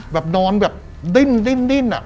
แบบนอนแบบดิ้นอะ